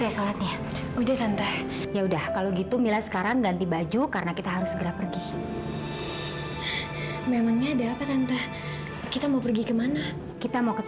sampai jumpa di video selanjutnya